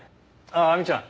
ああ亜美ちゃん。